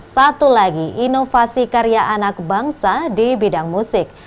satu lagi inovasi karya anak bangsa di bidang musik